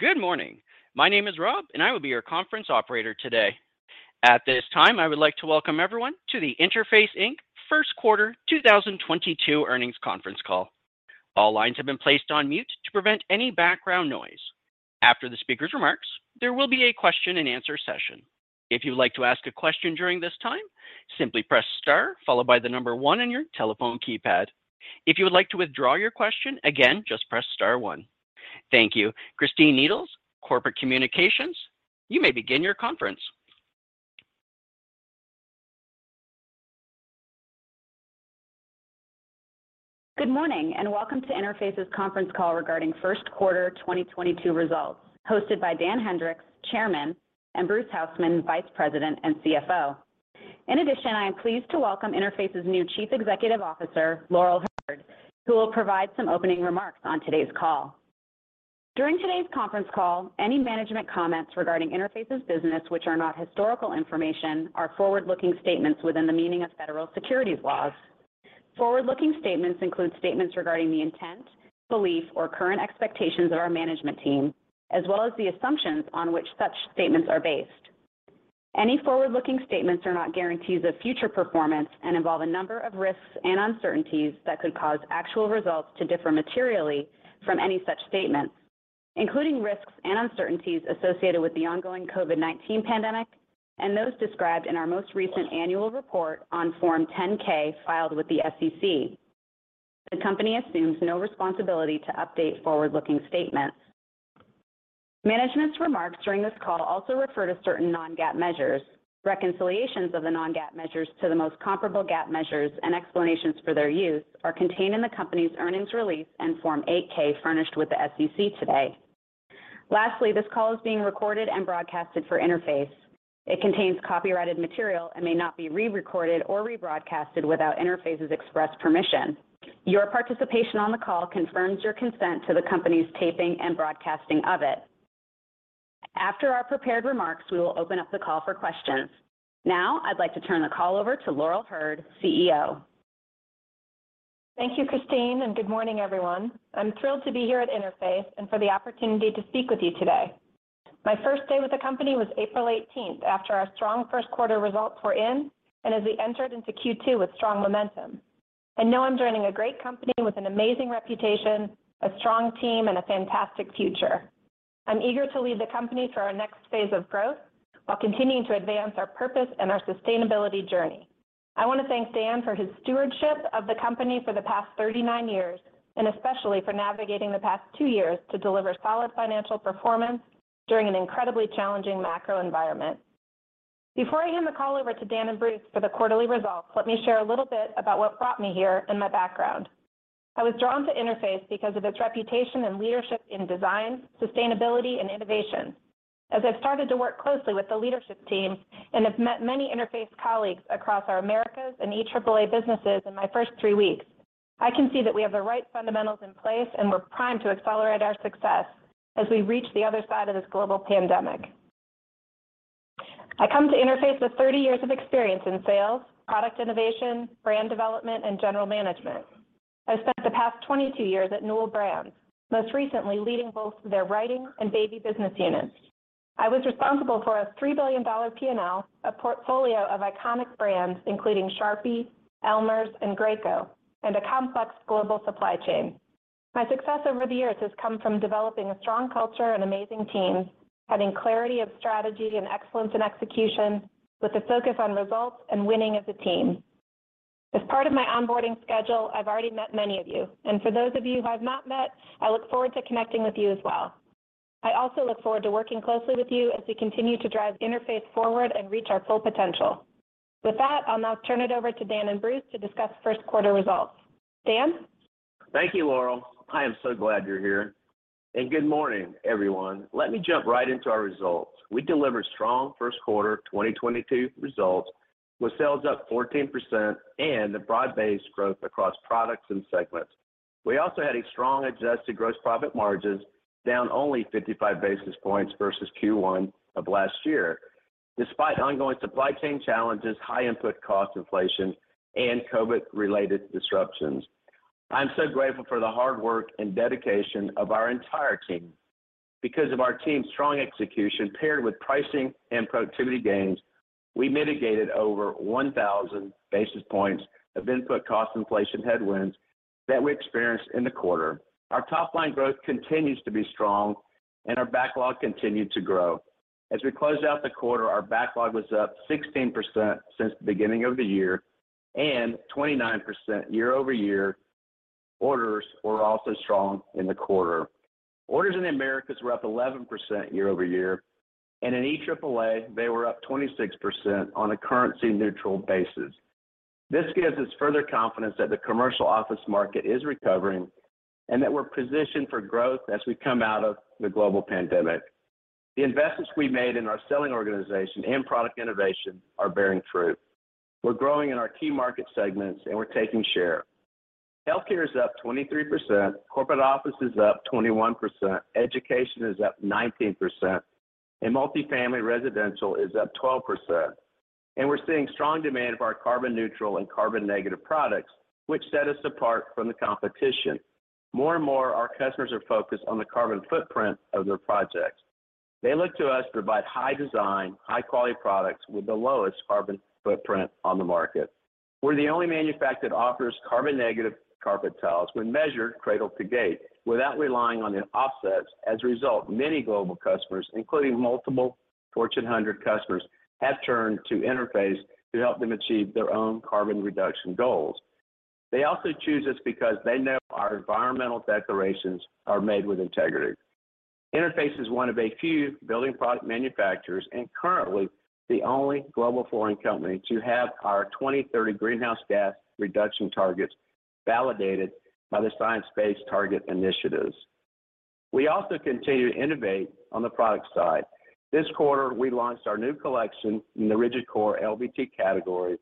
Good morning. My name is Rob, and I will be your conference operator today. At this time, I would like to welcome everyone to the Interface, Inc. First Quarter 2022 Earnings Conference Call. All lines have been placed on mute to prevent any background noise. After the speaker's remarks, there will be a question and answer session. If you would like to ask a question during this time, simply press star followed by the number one on your telephone keypad. If you would like to withdraw your question, again, just press star one. Thank you. Christine Needles, Corporate Communications, you may begin your conference. Good morning, and welcome to Interface's conference call regarding first quarter 2022 results, hosted by Dan Hendrix, Chairman, and Bruce Hausmann, Vice President and CFO. In addition, I am pleased to welcome Interface's new Chief Executive Officer, Laurel Hurd, who will provide some opening remarks on today's call. During today's conference call, any management comments regarding Interface's business which are not historical information are forward-looking statements within the meaning of federal securities laws. Forward-looking statements include statements regarding the intent, belief, or current expectations of our management team, as well as the assumptions on which such statements are based. Any forward-looking statements are not guarantees of future performance and involve a number of risks and uncertainties that could cause actual results to differ materially from any such statements, including risks and uncertainties associated with the ongoing COVID-19 pandemic and those described in our most recent annual report on Form 10-K filed with the SEC. The company assumes no responsibility to update forward-looking statements. Management's remarks during this call also refer to certain non-GAAP measures. Reconciliations of the non-GAAP measures to the most comparable GAAP measures and explanations for their use are contained in the company's earnings release and Form 8-K furnished with the SEC today. Lastly, this call is being recorded and broadcasted for Interface. It contains copyrighted material and may not be re-recorded or rebroadcasted without Interface's express permission. Your participation on the call confirms your consent to the company's taping and broadcasting of it. After our prepared remarks, we will open up the call for questions. Now, I'd like to turn the call over to Laurel Hurd, CEO. Thank you, Christine, and good morning, everyone. I'm thrilled to be here at Interface and for the opportunity to speak with you today. My first day with the company was April eighteenth, after our strong first quarter results were in and as we entered into Q2 with strong momentum. I know I'm joining a great company with an amazing reputation, a strong team, and a fantastic future. I'm eager to lead the company through our next phase of growth while continuing to advance our purpose and our sustainability journey. I want to thank Dan for his stewardship of the company for the past 39 years, and especially for navigating the past two years to deliver solid financial performance during an incredibly challenging macro environment. Before I hand the call over to Dan and Bruce for the quarterly results, let me share a little bit about what brought me here and my background. I was drawn to Interface because of its reputation and leadership in design, sustainability, and innovation. As I've started to work closely with the leadership team and have met many Interface colleagues across our Americas and EAAA businesses in my first three weeks, I can see that we have the right fundamentals in place, and we're primed to accelerate our success as we reach the other side of this global pandemic. I come to Interface with 30 years of experience in sales, product innovation, brand development, and general management. I spent the past 22 years at Newell Brands, most recently leading both their writing and baby business units. I was responsible for a $3 billion P&L, a portfolio of iconic brands, including Sharpie, Elmer's, and Graco, and a complex global supply chain. My success over the years has come from developing a strong culture and amazing teams, having clarity of strategy and excellence in execution with a focus on results and winning as a team. As part of my onboarding schedule, I've already met many of you, and for those of you who I've not met, I look forward to connecting with you as well. I also look forward to working closely with you as we continue to drive Interface forward and reach our full potential. With that, I'll now turn it over to Dan and Bruce to discuss first quarter results. Dan? Thank you, Laurel. I am so glad you're here. Good morning, everyone. Let me jump right into our results. We delivered strong first quarter 2022 results with sales up 14% and a broad-based growth across products and segments. We also had a strong adjusted gross profit margins down only 55 basis points vs Q1 of last year, despite ongoing supply chain challenges, high input cost inflation, and COVID-related disruptions. I'm so grateful for the hard work and dedication of our entire team. Because of our team's strong execution paired with pricing and productivity gains, we mitigated over 1,000 basis points of input cost inflation headwinds that we experienced in the quarter. Our top line growth continues to be strong, and our backlog continued to grow. As we closed out the quarter, our backlog was up 16% since the beginning of the year and 29% year-over-year. Orders were also strong in the quarter. Orders in the Americas were up 11% year-over-year, and in EAAA, they were up 26% on a currency neutral basis. This gives us further confidence that the commercial office market is recovering and that we're positioned for growth as we come out of the global pandemic. The investments we made in our selling organization and product innovation are bearing fruit. We're growing in our key market segments, and we're taking share. Healthcare is up 23%, corporate office is up 21%, education is up 19%, and multifamily residential is up 12%. We're seeing strong demand for our carbon neutral and carbon negative products, which set us apart from the competition. More and more, our customers are focused on the carbon footprint of their projects. They look to us to provide high design, high quality products with the lowest carbon footprint on the market. We're the only manufacturer that offers carbon negative carpet tiles when measured cradle to gate without relying on the offsets. As a result, many global customers, including multiple Fortune 100 customers, have turned to Interface to help them achieve their own carbon reduction goals. They also choose us because they know our environmental declarations are made with integrity. Interface is one of a few building product manufacturers, and currently the only global flooring company to have our 2030 greenhouse gas reduction targets validated by the Science Based Targets initiative. We also continue to innovate on the product side. This quarter, we launched our new collection in the rigid core LVT category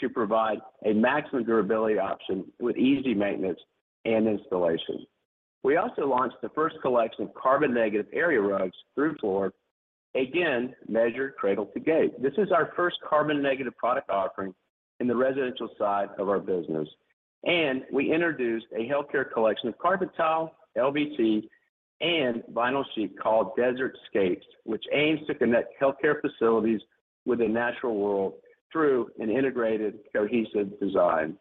to provide a maximum durability option with easy maintenance and installation. We also launched the first collection of carbon negative area rugs through FLOR, again, measured cradle to gate. This is our first carbon negative product offering in the residential side of our business. We introduced a healthcare collection of carpet tile, LVT, and vinyl sheet called Desert Scapes, which aims to connect healthcare facilities with the natural world through an integrated, cohesive design.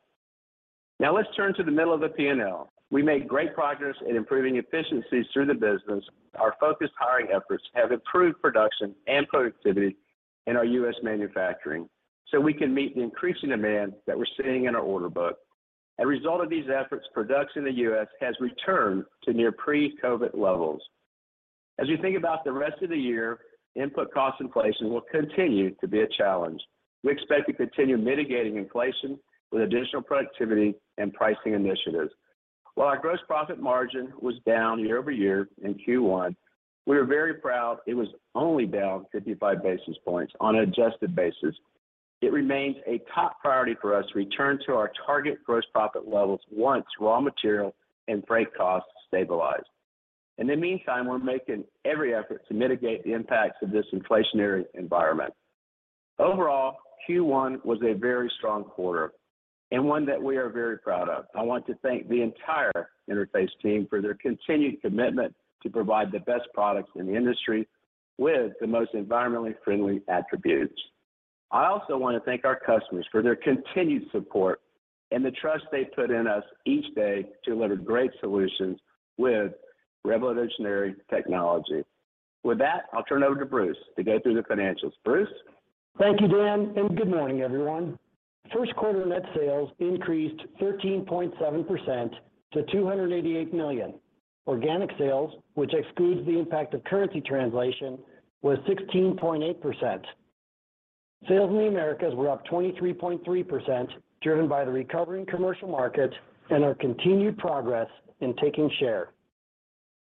Now let's turn to the middle of the P&L. We made great progress in improving efficiencies through the business. Our focused hiring efforts have improved production and productivity in our U.S. manufacturing, so we can meet the increasing demand that we're seeing in our order book. A result of these efforts, production in the U.S. has returned to near pre-COVID levels. As you think about the rest of the year, input cost inflation will continue to be a challenge. We expect to continue mitigating inflation with additional productivity and pricing initiatives. While our gross profit margin was down year-over-year in Q1, we are very proud it was only down 55 basis points on an adjusted basis. It remains a top priority for us to return to our target gross profit levels once raw material and freight costs stabilize. In the meantime, we're making every effort to mitigate the impacts of this inflationary environment. Overall, Q1 was a very strong quarter and one that we are very proud of. I want to thank the entire Interface team for their continued commitment to provide the best products in the industry with the most environmentally friendly attributes. I also want to thank our customers for their continued support and the trust they put in us each day to deliver great solutions with revolutionary technology. With that, I'll turn over to Bruce to go through the financials. Bruce? Thank you, Dan, and good morning, everyone. First quarter net sales increased 13.7% to $288 million. Organic sales, which excludes the impact of currency translation, was 16.8%. Sales in the Americas were up 23.3%, driven by the recovering commercial market and our continued progress in taking share.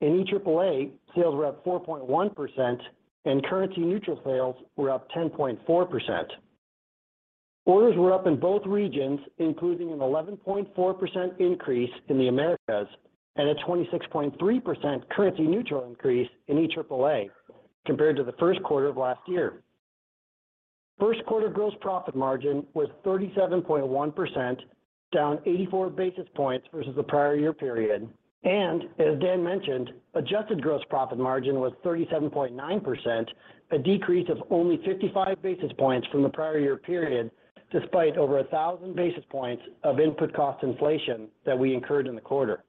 In EAAA, sales were up 4.1% and currency neutral sales were up 10.4%. Orders were up in both regions, including an 11.4% increase in the Americas and a 26.3% currency neutral increase in EAAA compared to the first quarter of last year. First quarter gross profit margin was 37.1%, down 84 basis points versus the prior year period. As Dan mentioned, adjusted gross profit margin was 37.9%, a decrease of only 55 basis points from the prior year period, despite over 1,000 basis points of input cost inflation that we incurred in the quarter.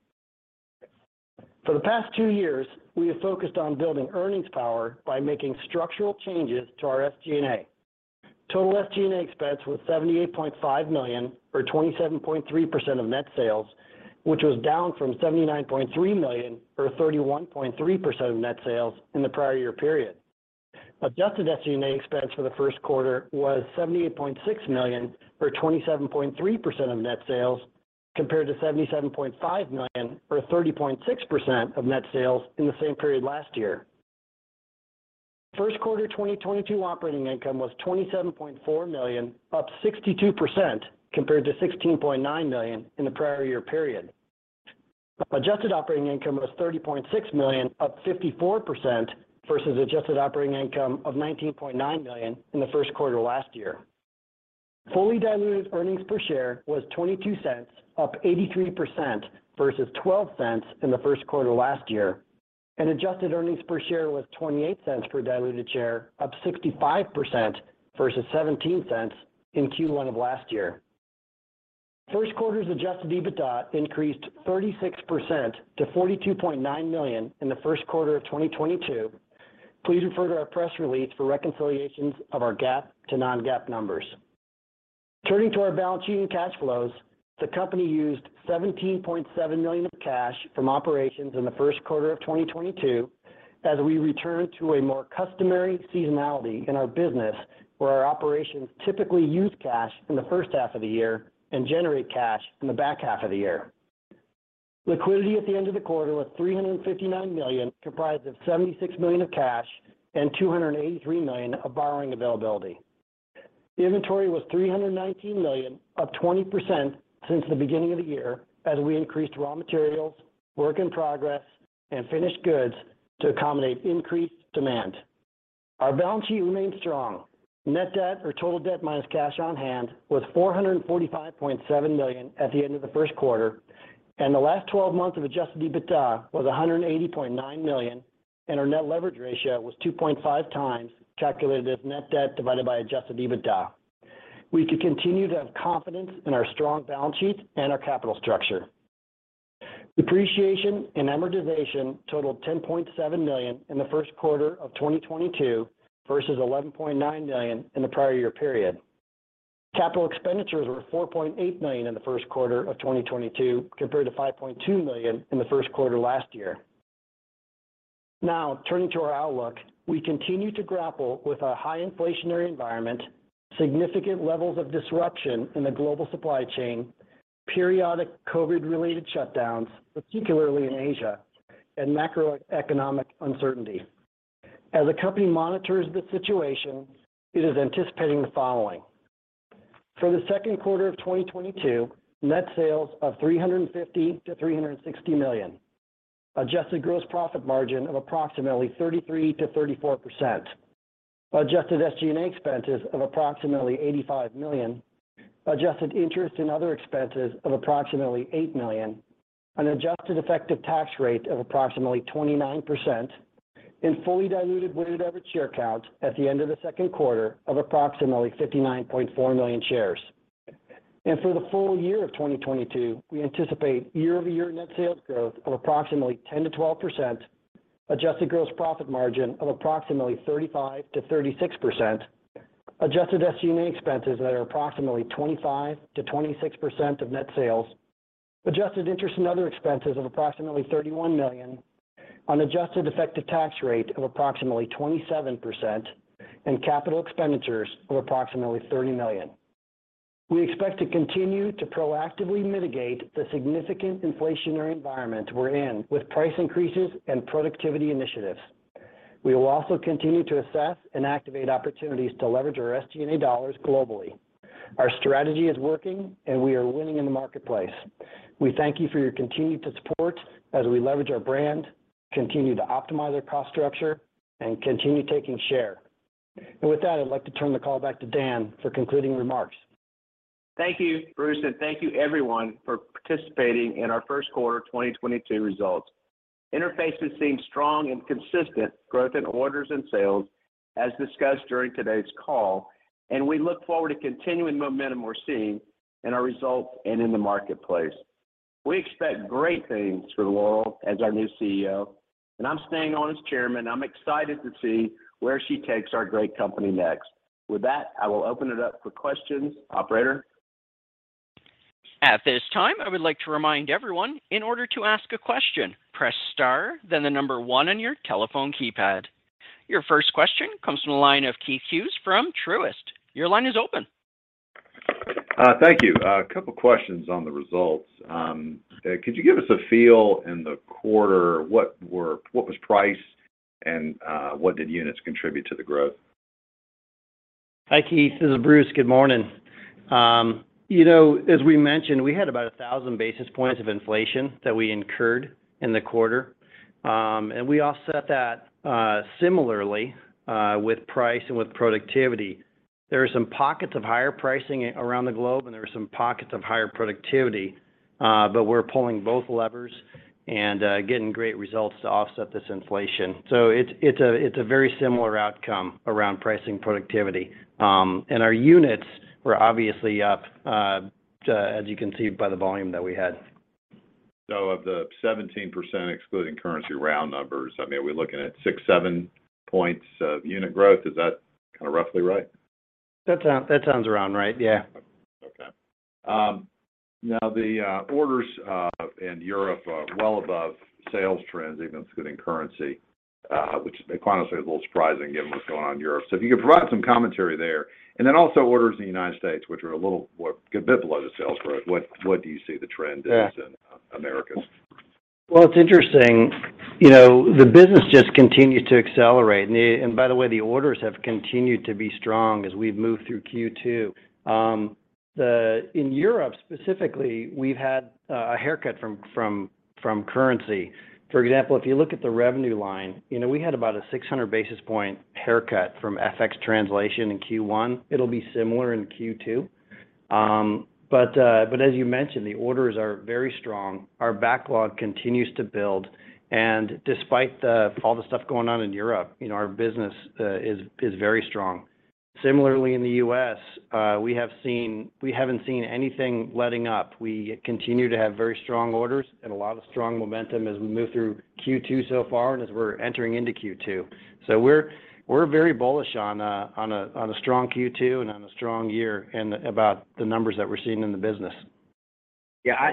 For the past 2 years, we have focused on building earnings power by making structural changes to our SG&A. Total SG&A expense was $78.5 million or 27.3% of net sales, which was down from $79.3 million or 31.3% of net sales in the prior year period. Adjusted SG&A expense for the first quarter was $78.6 million or 27.3% of net sales, compared to $77.5 million or 30.6% of net sales in the same period last year. First quarter 2022 operating income was $27.4 million, up 62% compared to $16.9 million in the prior year period. Adjusted operating income was $30.6 million, up 54% versus adjusted operating income of $19.9 million in the first quarter last year. Fully diluted earnings per share was $0.22, up 83% versus $0.12 in the first quarter last year. Adjusted earnings per share was $0.28 per diluted share, up 65% versus $0.17 in Q1 of last year. First quarter's adjusted EBITDA increased 36% to $42.9 million in the first quarter of 2022. Please refer to our press release for reconciliations of our GAAP to non-GAAP numbers. Turning to our balance sheet and cash flows, the company used $17.7 million of cash from operations in the first quarter of 2022 as we return to a more customary seasonality in our business where our operations typically use cash in the first half of the year and generate cash in the back half of the year. Liquidity at the end of the quarter was $359 million, comprised of $76 million of cash and $283 million of borrowing availability. Inventory was $319 million, up 20% since the beginning of the year, as we increased raw materials, work in progress, and finished goods to accommodate increased demand. Our balance sheet remains strong. Net debt or total debt minus cash on hand was $445.7 million at the end of the first quarter, and the last twelve months of adjusted EBITDA was $180.9 million, and our net leverage ratio was 2.5x calculated as net debt divided by adjusted EBITDA. We could continue to have confidence in our strong balance sheet and our capital structure. Depreciation and amortization totaled $10.7 million in the first quarter of 2022 versus $11.9 million in the prior year period. Capital expenditures were $4.8 million in the first quarter of 2022, compared to $5.2 million in the first quarter last year. Now turning to our outlook, we continue to grapple with a high inflationary environment, significant levels of disruption in the global supply chain, periodic COVID-19 related shutdowns, particularly in Asia, and macroeconomic uncertainty. As the company monitors the situation, it is anticipating the following. For the second quarter of 2022, net sales of $350 million-$360 million. Adjusted gross profit margin of approximately 33%-34%. Adjusted SG&A expenses of approximately $85 million. Adjusted interest and other expenses of approximately $8 million. An adjusted effective tax rate of approximately 29% and fully diluted weighted average share count at the end of the second quarter of approximately 59.4 million shares. For the full year of 2022, we anticipate year-over-year net sales growth of approximately 10%-12%. Adjusted gross profit margin of approximately 35%-36%. Adjusted SG&A expenses that are approximately 25%-26% of net sales. Adjusted interest and other expenses of approximately $31 million and an adjusted effective tax rate of approximately 27% and capital expenditures of approximately $30 million. We expect to continue to proactively mitigate the significant inflationary environment we're in with price increases and productivity initiatives. We will also continue to assess and activate opportunities to leverage our SG&A dollars globally. Our strategy is working, and we are winning in the marketplace. We thank you for your continued support as we leverage our brand, continue to optimize our cost structure, and continue taking share. With that, I'd like to turn the call back to Dan for concluding remarks. Thank you, Bruce, and thank you everyone for participating in our first quarter 2022 results. Interface has seen strong and consistent growth in orders and sales as discussed during today's call, and we look forward to continuing the momentum we're seeing in our results and in the marketplace. We expect great things for Laurel as our new CEO, and I'm staying on as chairman. I'm excited to see where she takes our great company next. With that, I will open it up for questions. Operator? At this time, I would like to remind everyone, in order to ask a question, press star, then one on your telephone keypad. Your first question comes from the line of Keith Hughes from Truist. Your line is open. Thank you. A couple questions on the results. Could you give us a feel in the quarter what was priced and what did units contribute to the growth? Hi, Keith, this is Bruce. Good morning. You know, as we mentioned, we had about 1,000 basis points of inflation that we incurred in the quarter. We offset that, similarly, with price and with productivity. There are some pockets of higher pricing around the globe, and there are some pockets of higher productivity, but we're pulling both levers and, getting great results to offset this inflation. It's a very similar outcome around pricing productivity. Our units were obviously up, as you can see by the volume that we had. Of the 17% excluding currency round numbers, I mean, we're looking at 6-7 points of unit growth. Is that kind of roughly right? That sounds about right, yeah. Okay. Now the orders in Europe are well above sales trends, even excluding currency, which, quite honestly, is a little surprising given what's going on in Europe. If you could provide some commentary there. Then also orders in the United States, which were a bit below the sales growth. What do you see the trend is in Americas? Well, it's interesting. You know, the business just continues to accelerate. By the way, the orders have continued to be strong as we've moved through Q2. In Europe specifically, we've had a haircut from currency. For example, if you look at the revenue line, you know, we had about a 600 basis point haircut from FX translation in Q1. It'll be similar in Q2. As you mentioned, the orders are very strong. Our backlog continues to build. Despite all the stuff going on in Europe, you know, our business is very strong. Similarly, in the US, we haven't seen anything letting up. We continue to have very strong orders and a lot of strong momentum as we move through Q2 so far and as we're entering into Q2. We're very bullish on a strong Q2 and on a strong year and about the numbers that we're seeing in the business. Yeah.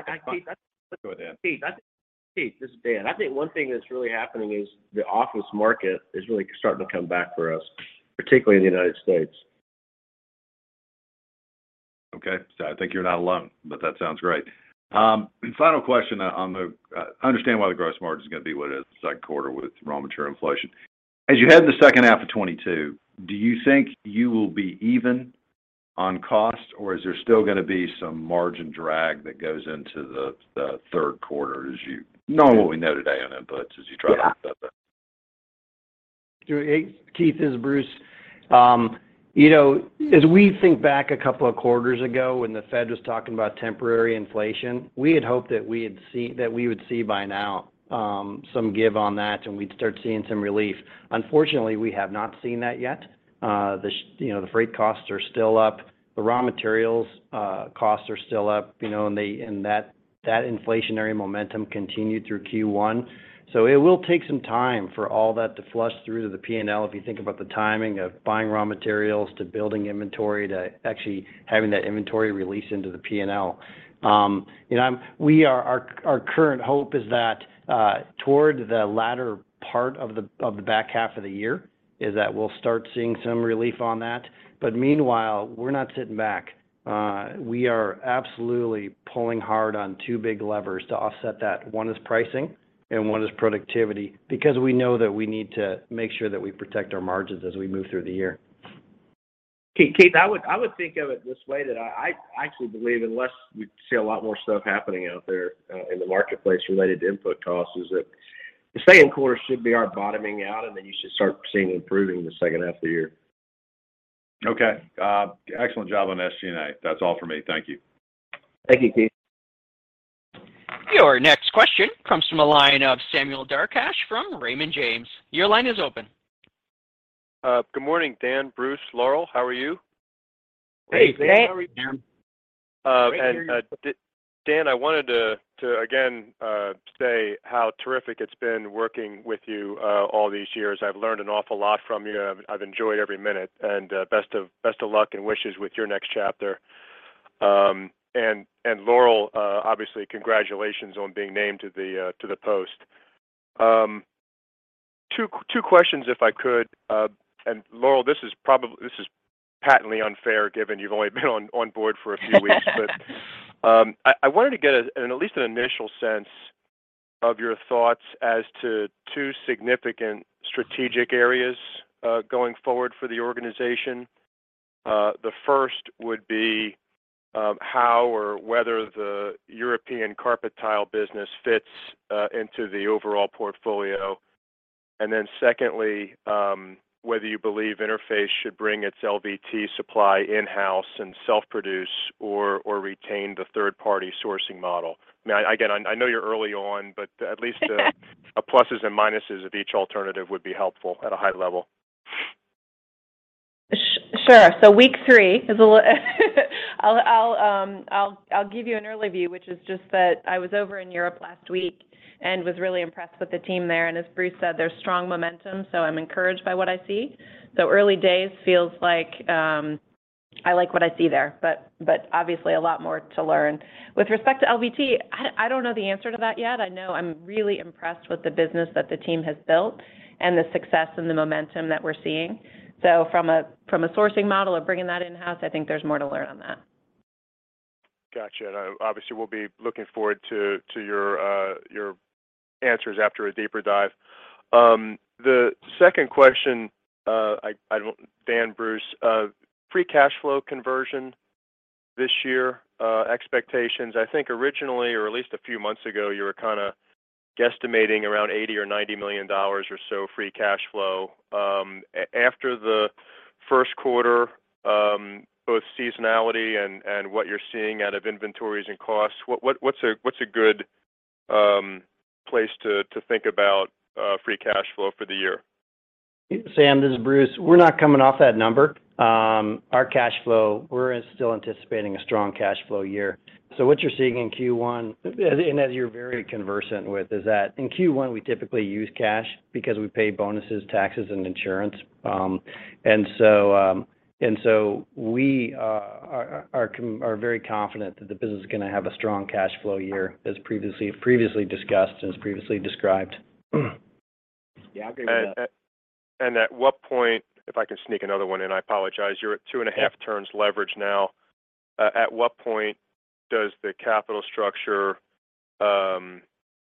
Keith, this is Dan. I think one thing that's really happening is the office market is really starting to come back for us, particularly in the United States. Okay. I think you're not alone, but that sounds great. Final question on the. I understand why the gross margin is gonna be what it is the second quarter with raw material inflation. As you head to the second half of 2022, do you think you will be even on cost, or is there still gonna be some margin drag that goes into the third quarter as you- No What we know today on inputs as you try to offset that? Keith, this is Bruce Hausmann. You know, as we think back a couple of quarters ago when the Fed was talking about temporary inflation, we had hoped that we would see by now some give on that, and we'd start seeing some relief. Unfortunately, we have not seen that yet. You know, the freight costs are still up. The raw materials costs are still up, you know, and that inflationary momentum continued through Q1. It will take some time for all that to flush through to the P&L if you think about the timing of buying raw materials, to building inventory, to actually having that inventory release into the P&L. You know, our current hope is that toward the latter part of the back half of the year, we'll start seeing some relief on that. Meanwhile, we're not sitting back. We are absolutely pulling hard on two big levers to offset that. One is pricing, and one is productivity, because we know that we need to make sure that we protect our margins as we move through the year. Keith, I would think of it this way, that I actually believe unless we see a lot more stuff happening out there in the marketplace related to input costs, that the second quarter should be our bottoming out, and then you should start seeing improving in the second half of the year. Okay. Excellent job on SG&A. That's all for me. Thank you. Thank you, Keith. Your next question comes from the line of Sam Darkatsh from Raymond James. Your line is open. Good morning, Dan, Bruce, Laurel. How are you? Great, Sam. How are you? Great. Dan, I wanted to again say how terrific it's been working with you all these years. I've learned an awful lot from you. I've enjoyed every minute. Best of luck and wishes with your next chapter. Laurel, obviously, congratulations on being named to the post. Two questions, if I could. Laurel, this is patently unfair given you've only been on board for a few weeks. I wanted to get at least an initial sense of your thoughts as to two significant strategic areas going forward for the organization. The first would be how or whether the European carpet tile business fits into the overall portfolio. Secondly, whether you believe Interface should bring its LVT supply in-house and self-produce or retain the third-party sourcing model. Now, again, I know you're early on, but at least pluses and minuses of each alternative would be helpful at a high level. Sure. I'll give you an early view, which is just that I was over in Europe last week and was really impressed with the team there. As Bruce said, there's strong momentum, so I'm encouraged by what I see. Early days feels like I like what I see there, but obviously a lot more to learn. With respect to LVT, I don't know the answer to that yet. I know I'm really impressed with the business that the team has built and the success and the momentum that we're seeing. From a sourcing model of bringing that in-house, I think there's more to learn on that. Gotcha. Obviously, we'll be looking forward to your answers after a deeper dive. The second question. Dan, Bruce, free cash flow conversion this year expectations. I think originally, or at least a few months ago, you were kinda guesstimating around $80 million-$90 million or so free cash flow. After the first quarter, both seasonality and what you're seeing out of inventories and costs, what's a good place to think about free cash flow for the year? Sam, this is Bruce. We're not coming off that number. Our cash flow, we're still anticipating a strong cash flow year. What you're seeing in Q1, and as you're very conversant with, is that in Q1, we typically use cash because we pay bonuses, taxes, and insurance. We are very confident that the business is gonna have a strong cash flow year, as previously discussed and as previously described. Yeah, I agree with that. At what point, if I can sneak another one in, I apologize. You're at 2.5 turns leverage now. At what point does the capital structure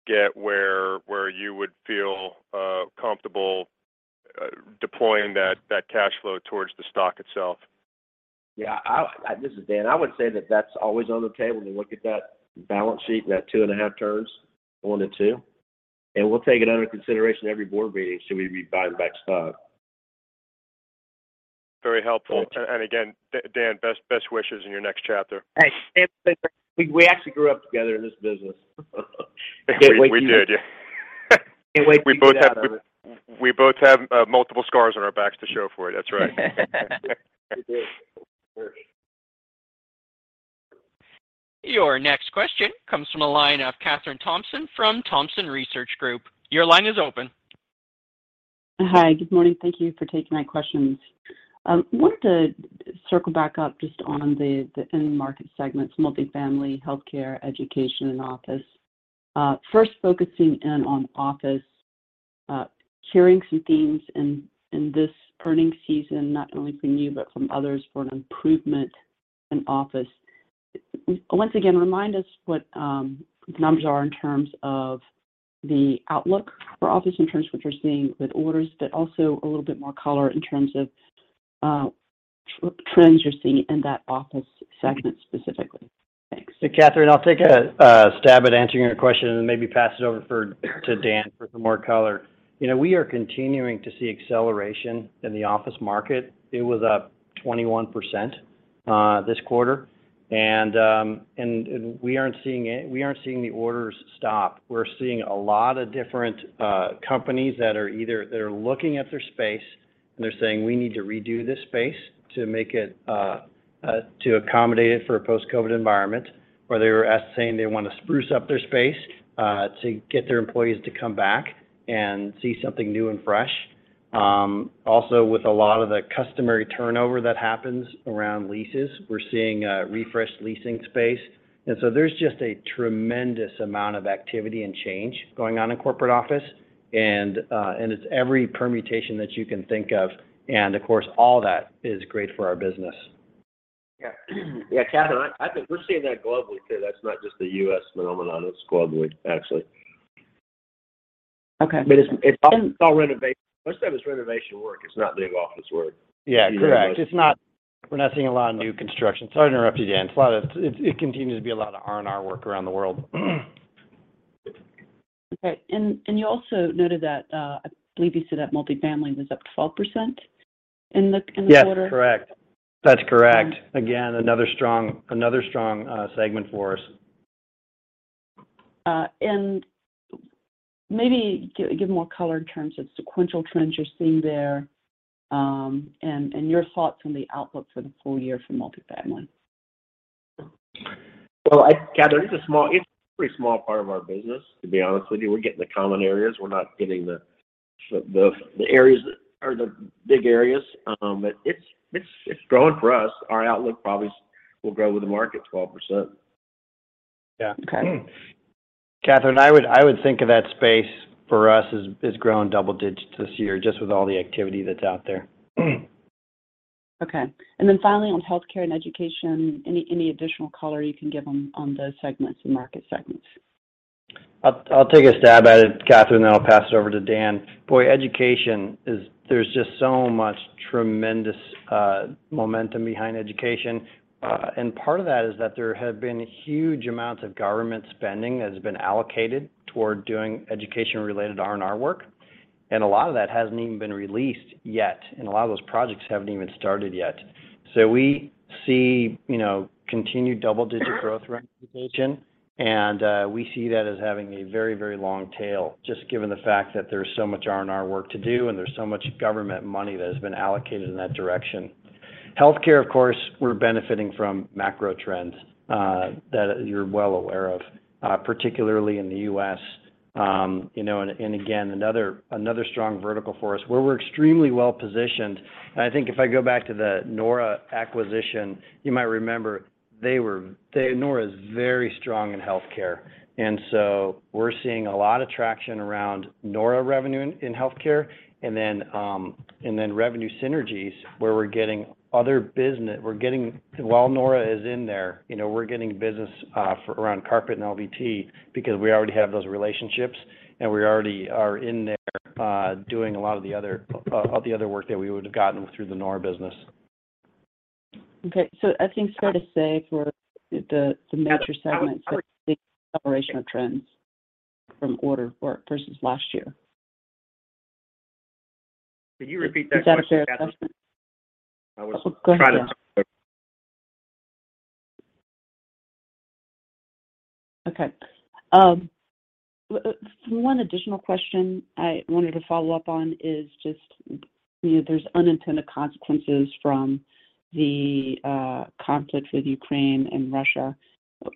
get where you would feel comfortable deploying that cash flow towards the stock itself? Yeah. This is Dan. I would say that that's always on the table to look at that balance sheet and that 2.5 turns, 1-2. We'll take it under consideration every board meeting, should we be buying back stock. Very helpful. Again, Dan, best wishes in your next chapter. Hey, Sam, we actually grew up together in this business. We did. Can't wait for you to get out of it. We both have multiple scars on our backs to show for it. That's right. We do. For sure. Your next question comes from the line of Kathryn Thompson from Thompson Research Group. Your line is open. Hi. Good morning. Thank you for taking my questions. Wanted to circle back up just on the end market segments, multifamily, healthcare, education, and office. First focusing in on office, hearing some themes in this earnings season, not only from you, but from others, for an improvement in office. Once again, remind us what the numbers are in terms of the outlook for office, in terms of what you're seeing with orders, but also a little bit more color in terms of trends you're seeing in that office segment specifically. Thanks. Kathryn, I'll take a stab at answering your question and maybe pass it over to Dan for some more color. You know, we are continuing to see acceleration in the office market. It was up 21% this quarter. We aren't seeing the orders stop. We're seeing a lot of different companies that are either they're looking at their space, and they're saying, "We need to redo this space to make it to accommodate it for a post-COVID environment." Or they were saying they want to spruce up their space to get their employees to come back and see something new and fresh. Also with a lot of the customary turnover that happens around leases, we're seeing refreshed leasing space. There's just a tremendous amount of activity and change going on in corporate office. It's every permutation that you can think of. Of course, all that is great for our business. Yeah. Yeah, Kathryn, I think we're seeing that globally too. That's not just a U.S. phenomenon. It's globally, actually. Okay. It's all renovation. Most of it's renovation work. It's not new office work. Yeah, correct. We're not seeing a lot of new construction. Sorry to interrupt you, Dan. It continues to be a lot of R&R work around the world. You also noted that I believe you said that multifamily was up 12% in the quarter? Yes. Correct. That's correct. Okay. Again, another strong segment for us. Maybe give more color in terms of sequential trends you're seeing there, and your thoughts on the outlook for the full year for multifamily. Well, Kathryn, it's a small, pretty small part of our business, to be honest with you. We're getting the common areas. We're not getting the areas that are the big areas. It's growing for us. Our outlook probably will grow with the market 12%. Yeah. Okay. Kathryn, I would think of that space for us as growing double digits this year, just with all the activity that's out there. Okay. Finally on healthcare and education, any additional color you can give on those segments, the market segments? I'll take a stab at it, Kathryn, then I'll pass it over to Dan. Boy, education is. There's just so much tremendous momentum behind education. Part of that is that there have been huge amounts of government spending that has been allocated toward doing education-related R&R work. A lot of that hasn't even been released yet, and a lot of those projects haven't even started yet. We see, you know, continued double-digit growth around education, and we see that as having a very, very long tail, just given the fact that there's so much R&R work to do and there's so much government money that has been allocated in that direction. Healthcare, of course, we're benefiting from macro trends that you're well aware of, particularly in the U.S. You know, again, another strong vertical for us where we're extremely well-positioned. I think if I go back to the nora acquisition, you might remember nora is very strong in healthcare. We're seeing a lot of traction around nora revenue in healthcare and then revenue synergies where we're getting other business while nora is in there, you know, we're getting business for our carpet and LVT because we already have those relationships, and we already are in there doing a lot of the other work that we would've gotten through the nora business. Okay. I think it's fair to say for the major segments. Yeah, I would. Big acceleration trends from order work versus last year. Can you repeat that question, Kathryn? Is that a fair assessment? I was trying to- Oh, go ahead, Dan. Okay. One additional question I wanted to follow up on is just, you know, there's unintended consequences from the conflict with Ukraine and Russia.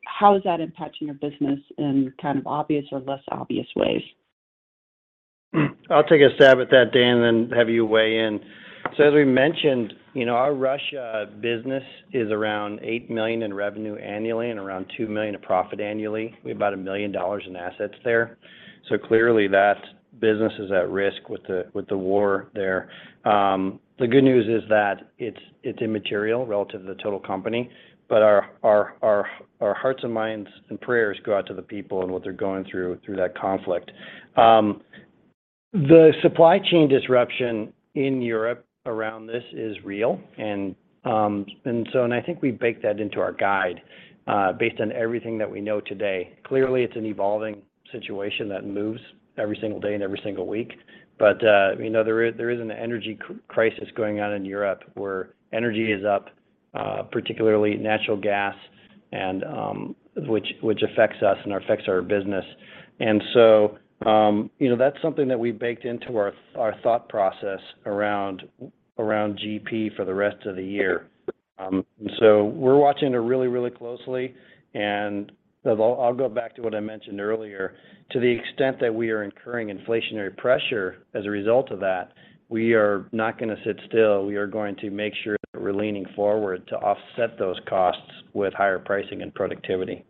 How is that impacting your business in kind of obvious or less obvious ways? I'll take a stab at that, Dan, and then have you weigh in. As we mentioned, you know, our Russia business is around $8 million in revenue annually and around $2 million of profit annually. We have about $1 million in assets there. Clearly that business is at risk with the war there. The good news is that it's immaterial relative to the total company. Our hearts and minds and prayers go out to the people and what they're going through that conflict. The supply chain disruption in Europe around this is real. I think we baked that into our guide based on everything that we know today. Clearly it's an evolving situation that moves every single day and every single week. You know, there is an energy crisis going on in Europe where energy is up, particularly natural gas and which affects us and affects our business. You know, that's something that we baked into our thought process around GP for the rest of the year. We're watching it really closely. I'll go back to what I mentioned earlier. To the extent that we are incurring inflationary pressure as a result of that, we are not gonna sit still. We are going to make sure that we're leaning forward to offset those costs with higher pricing and productivity.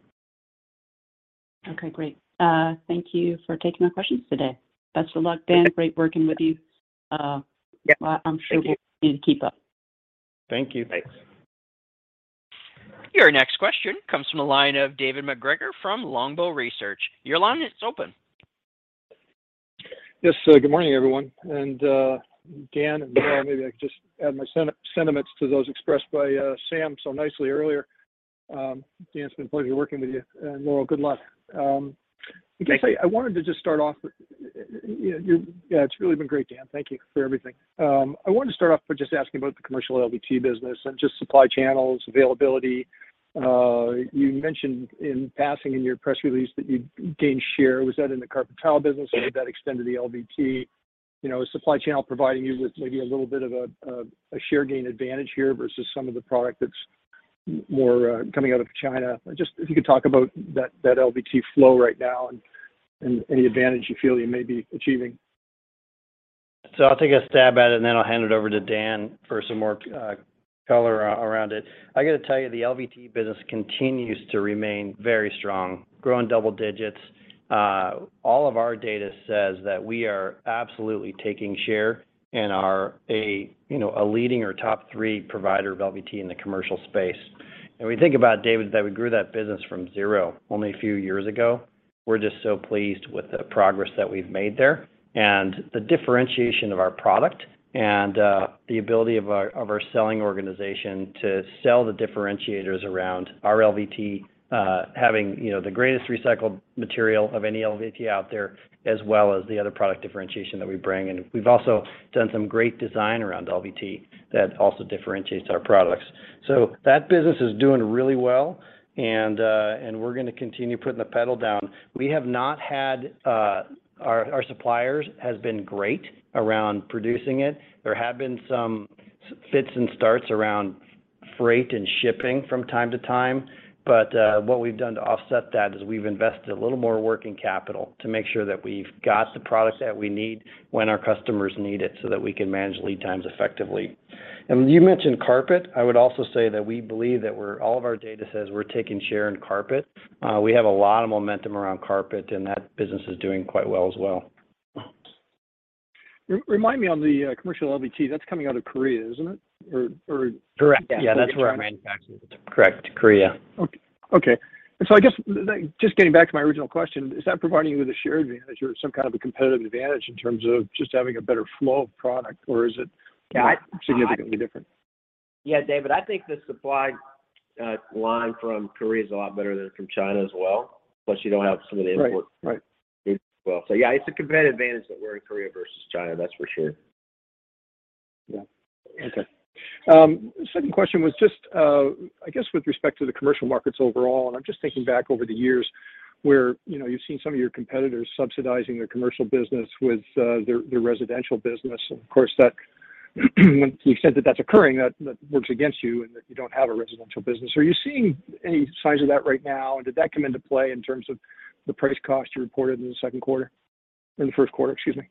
Okay, great. Thank you for taking my questions today. Best of luck, Dan. Great working with you. I'm sure we'll need to keep up. Thank you. Thanks. Your next question comes from the line of David MacGregor from Longbow Research. Your line is open. Yes. Good morning, everyone. Dan and Laurel, maybe I could just add my sentiments to those expressed by Sam so nicely earlier. Dan, it's been a pleasure working with you. Laurel, good luck. Yeah, it's really been great, Dan. Thank you for everything. I wanted to start off by just asking about the commercial LVT business and supply chain availability. You mentioned in passing in your press release that you gained share. Was that in the carpet tile business, or did that extend to the LVT? You know, is supply chain providing you with maybe a little bit of a share gain advantage here versus some of the product that's more coming out of China? Just if you could talk about that LVT flow right now and any advantage you feel you may be achieving. I'll take a stab at it, and then I'll hand it over to Dan for some more, color around it. I got to tell you, the LVT business continues to remain very strong, growing double digits. All of our data says that we are absolutely taking share and are a, you know, a leading or top three provider of LVT in the commercial space. When we think about David, that we grew that business from zero only a few years ago, we're just so pleased with the progress that we've made there and the differentiation of our product and, the ability of our selling organization to sell the differentiators around our LVT, having, you know, the greatest recycled material of any LVT out there, as well as the other product differentiation that we bring in. We've also done some great design around LVT that also differentiates our products. That business is doing really well, and we're going to continue putting the pedal down. Our suppliers has been great around producing it. There have been some fits and starts around freight and shipping from time to time. What we've done to offset that is we've invested a little more working capital to make sure that we've got the products that we need when our customers need it so that we can manage lead times effectively. You mentioned carpet. I would also say that we believe that all of our data says we're taking share in carpet. We have a lot of momentum around carpet, and that business is doing quite well as well. Remind me on the commercial LVT, that's coming out of Korea, isn't it? Correct. Yeah, that's where our manufacturing is. Correct. Korea. I guess just getting back to my original question, is that providing you with a share advantage or some kind of a competitive advantage in terms of just having a better flow of product, or is it significantly different? Yeah, David, I think the supply line from Korea is a lot better than from China as well. Plus you don't have some of the import as well. Right. Right Yeah, it's a competitive advantage that we're in Korea versus China, that's for sure. Yeah. Okay. Second question was just, I guess with respect to the commercial markets overall, and I'm just thinking back over the years where, you know, you've seen some of your competitors subsidizing their commercial business with their residential business. Of course, that, to the extent that that's occurring, that works against you and that you don't have a residential business. Are you seeing any signs of that right now? And did that come into play in terms of the price cost you reported in the first quarter, excuse me?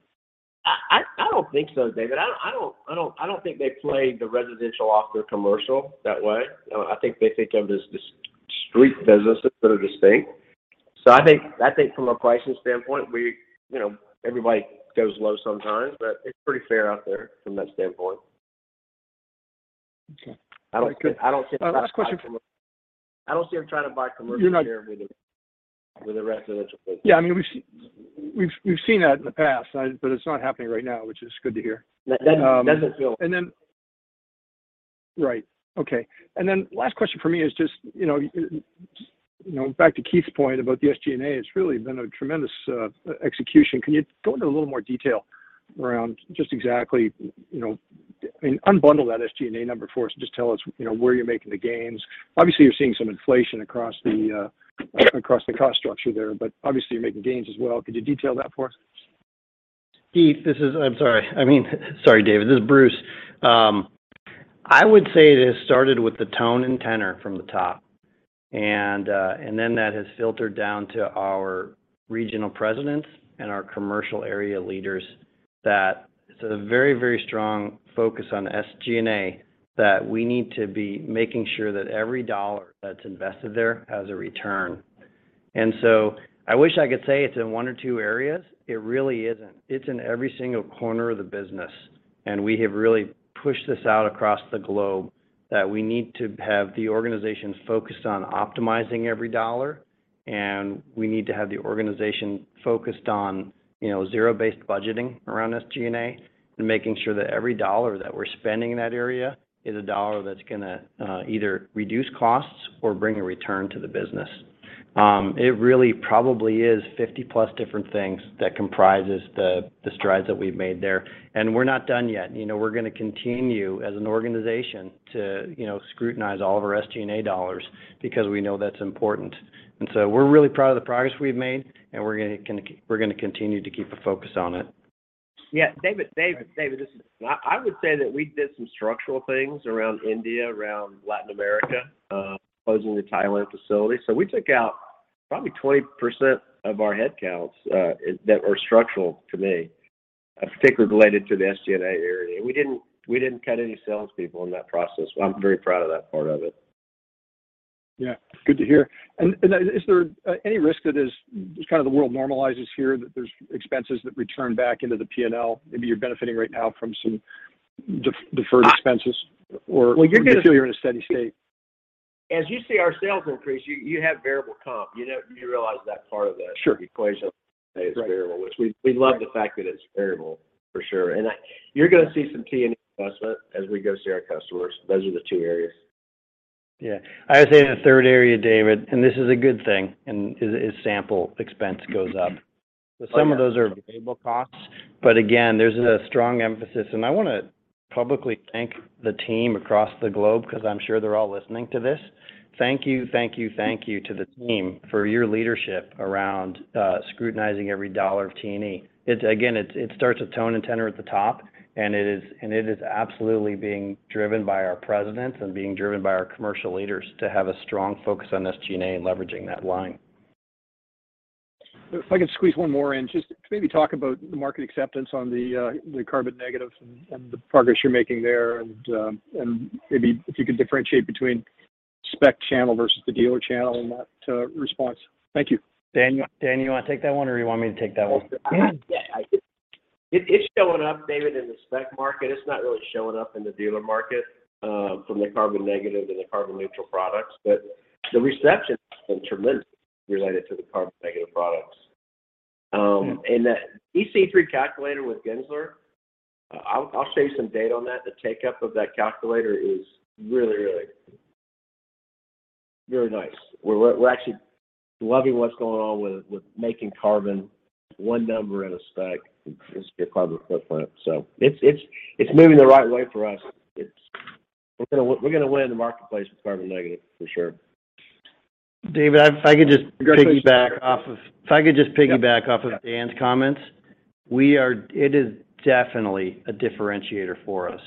I don't think so, David. I don't think they play the residential off their commercial that way. I think they think of it as just separate businesses that are distinct. I think from a pricing standpoint, we, you know, everybody goes low sometimes, but it's pretty fair out there from that standpoint. Okay. I don't see them trying to buy commercial. I don't see them trying to buy commercial share with a residential business. Yeah, I mean, we've seen that in the past, but it's not happening right now, which is good to hear. That doesn't feel. Last question for me is just, you know, back to Keith's point about the SG&A, it's really been a tremendous execution. Can you go into a little more detail around just exactly, you know, I mean, unbundle that SG&A number for us and just tell us, you know, where you're making the gains. Obviously, you're seeing some inflation across the cost structure there, but obviously you're making gains as well. Could you detail that for us? David, this is Bruce. I would say it has started with the tone and tenor from the top, and then that has filtered down to our regional presidents and our commercial area leaders that it's a very, very strong focus on SG&A that we need to be making sure that every dollar that's invested there has a return. I wish I could say it's in one or two areas. It really isn't. It's in every single corner of the business. We have really pushed this out across the globe that we need to have the organization focused on optimizing every dollar, and we need to have the organization focused on, you know, zero-based budgeting around SG&A and making sure that every dollar that we're spending in that area is a dollar that's gonna either reduce costs or bring a return to the business. It really probably is 50+ different things that comprises the strides that we've made there. We're not done yet. You know, we're gonna continue as an organization to, you know, scrutinize all of our SG&A dollars because we know that's important. We're really proud of the progress we've made, and we're gonna continue to keep a focus on it. Yeah. David, I would say that we did some structural things around India, around Latin America, closing the Thailand facility. We took out probably 20% of our headcounts that were structural to me, in particular related to the SG&A area. We didn't cut any sales people in that process. I'm very proud of that part of it. Yeah. Good to hear. Is there any risk that as kind of the world normalizes here, that there's expenses that return back into the P&L? Maybe you're benefiting right now from some deferred expenses or.. Well, you're gonna see. You feel you're in a steady state. As you see our sales increase, you have variable comp. You know, you realize that part of the. Sure Equation is variable. Right. Which we love the fact that it's variable, for sure. You're gonna see some T&E adjustment as we go see our customers. Those are the two areas. Yeah. I would say the third area, David, and this is a good thing, and is sample expense goes up. Oh, yeah. Some of those are variable costs, but again, there's a strong emphasis. I wanna publicly thank the team across the globe, 'cause I'm sure they're all listening to this. Thank you, thank you, thank you to the team for your leadership around scrutinizing every dollar of T&E. It's again, it starts with tone and tenor at the top, and it is absolutely being driven by our presidents and being driven by our commercial leaders to have a strong focus on SG&A and leveraging that line. If I could squeeze one more in, just maybe talk about the market acceptance on the carbon negative and the progress you're making there. Maybe if you could differentiate between spec channel versus the dealer channel in that response. Thank you. Dan, you wanna take that one or you want me to take that one? It's showing up, David, in the spec market. It's not really showing up in the dealer market from the carbon negative and the carbon neutral products. The reception has been tremendous related to the carbon negative products. Yeah That EC3 calculator with Gensler, I'll show you some data on that. The uptake of that calculator is really very nice. We're actually loving what's going on with making carbon one number in a spec. It's a good carbon footprint. It's moving the right way for us. We're gonna win the marketplace with carbon negative for sure. David, if I could just- Congrats If I could just piggyback off of Dan's comments. It is definitely a differentiator for us.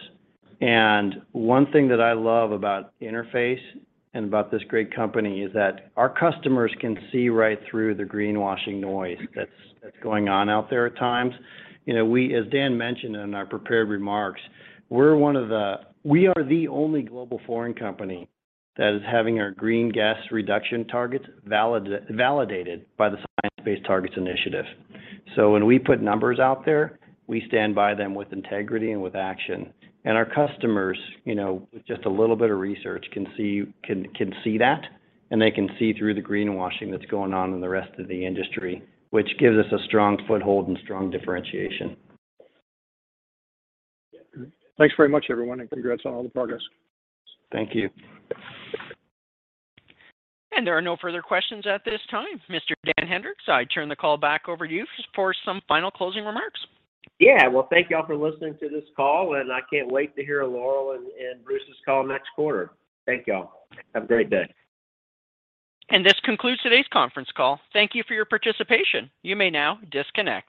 One thing that I love about Interface and about this great company is that our customers can see right through the greenwashing noise that's going on out there at times. You know, we, as Dan mentioned in our prepared remarks, we are the only global flooring company that is having our greenhouse gas reduction targets validated by the Science Based Targets initiative. So when we put numbers out there, we stand by them with integrity and with action. Our customers, you know, with just a little bit of research, can see that, and they can see through the greenwashing that's going on in the rest of the industry, which gives us a strong foothold and strong differentiation. Thanks very much everyone, and congrats on all the progress. Thank you. There are no further questions at this time. Mr. Dan Hendrix, I turn the call back over to you for some final closing remarks. Yeah. Well, thank y'all for listening to this call, and I can't wait to hear Laurel and Bruce's call next quarter. Thank y'all. Have a great day. This concludes today's conference call. Thank you for your participation. You may now disconnect.